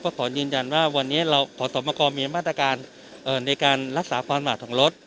ขอยืนยันว่าวันนี้เราขอสมกรมีมาตรการในการรักษาความหมาดของรถ